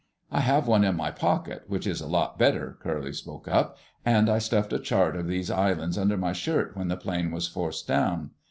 "I have one in my pocket, which is a lot better," Curly spoke up. "And I stuffed a chart of these islands under my shirt when the plane was forced down.